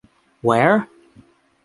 Where?